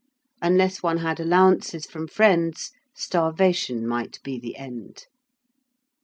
Unless one had allowances from friends, starvation might be the end.